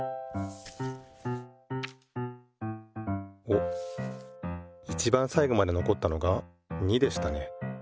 おっいちばんさいごまでのこったのが２でしたね。